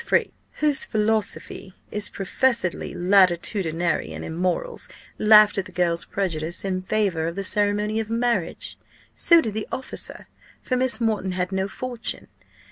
Freke, whose philosophy is professedly latitudinarian in morals, laughed at the girl's prejudice in favour of the ceremony of marriage. So did the officer; for Miss Moreton had no fortune.